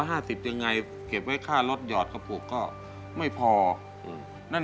ช่วงมาติดขัดเนี่ย๕เดือนเนี่ยแหละครับมันรายได้มันไม่คงที่เลย